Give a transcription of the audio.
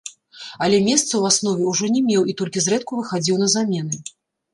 Але месца ў аснове ўжо не меў і толькі зрэдку выхадзіў на замены.